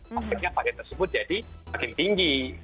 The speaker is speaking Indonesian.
maksudnya pasien tersebut jadi makin tinggi